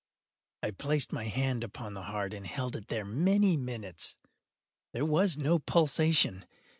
I placed my hand upon the heart and held it there many minutes. There was no pulsation.